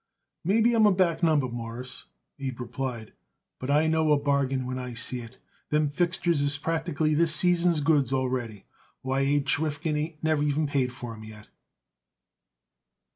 "Maybe I am a back number, Mawruss," Abe replied, "but I know a bargain when I see it. Them fixtures is practically this season's goods already. Why, H. Rifkin ain't even paid for them yet."